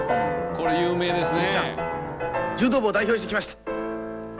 「これ有名ですね」